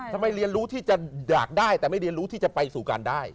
ทำไมเรียนรู้ที่จะอยากได้แต่ไม่เรียนรู้ที่จะไปสู่การได้